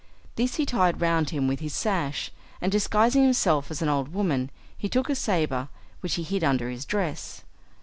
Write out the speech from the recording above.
This he tied round him with his sash, and, disguising himself as an old woman, he took a sabre, which he hid under his dress.